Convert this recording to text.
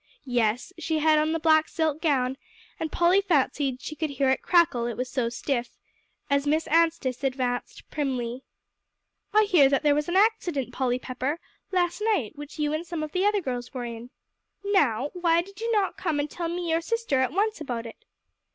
Yes, she had on the black silk gown, and Polly fancied she could hear it crackle, it was so stiff, as Miss Anstice advanced primly. "I hear that there was an accident, Polly Pepper, last night, which you and some of the other girls were in. Now, why did you not come and tell me or sister at once about it?"